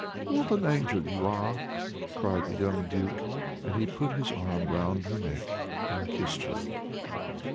"What an angel you are!" cried the young Duke, and he put his arm round her neck, and kissed her.